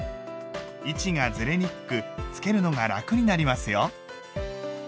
位置がずれにくくつけるのが楽になりますよ。